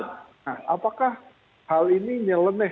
nah apakah hal ini nyeleneh